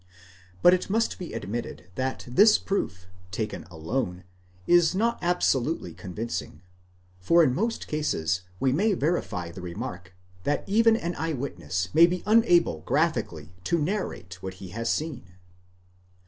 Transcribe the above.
But it must be ad mitted, that this proof, taken alone, is not absolutely convincing ;; for in most cases we may verify the remark, that even an eye witness may be unable graphically to narrate what he has seen.?